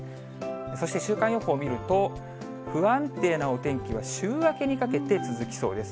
そして週間予報を見ると、不安定なお天気は週明けにかけて続きそうです。